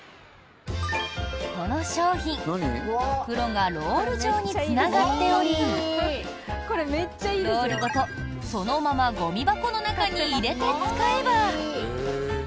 この商品袋がロール状につながっておりロールごと、そのままゴミ箱の中に入れて使えば。